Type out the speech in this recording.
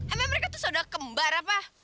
emang mereka tuh sudah kembar apa